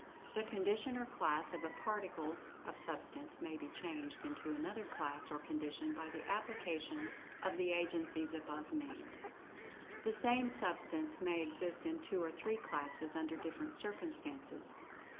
The condition or class of a particle of Substance may be changed into another class or condition by the application of the agencies above named. The same substance may exist in two or three classes, under different circumstances.